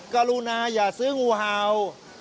กรุณาอย่าซื้องูเห่า